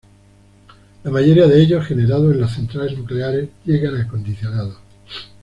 La mayoría de ellos, generados en las centrales nucleares, llegan acondicionados.